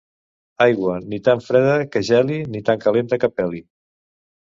Aigua, ni tan freda que geli, ni tan calenta que peli.